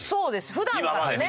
普段からね。